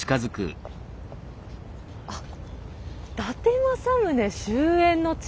あっ「伊達政宗終焉の地」。